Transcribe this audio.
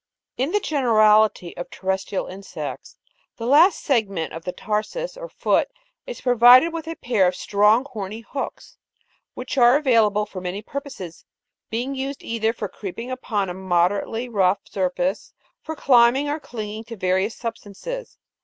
"In the generality of terrestrial insects, the last segment of the tarsus or foot is provided with a pair of strong horny hooks, which are available for many purposes, being used either for creeping upon a moderately rough surface, for climbing or clinging to various substances.